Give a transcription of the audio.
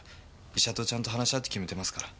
医者とちゃんと話し合って決めてますから。